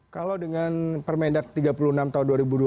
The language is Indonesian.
kalau dengan permendak tiga puluh enam tahun dua ribu dua puluh